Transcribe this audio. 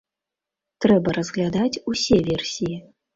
Трэба разглядаць усе версіі.